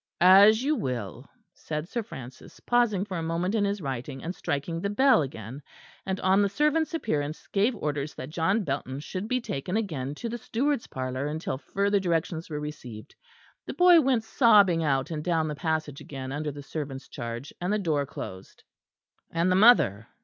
"As you will," said Sir Francis, pausing for a moment in his writing, and striking the bell again; and, on the servant's appearance, gave orders that John Belton should be taken again to the steward's parlour until further directions were received. The boy went sobbing out and down the passage again under the servant's charge, and the door closed. "And the mother?"